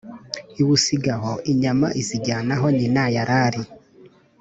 iwusiga aho, inyama izijyana aho nyina yari ari.